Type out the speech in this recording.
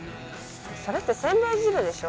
それってせんべい汁でしょ？